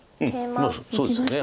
そうですね